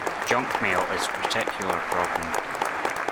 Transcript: Junk mail is a particular problem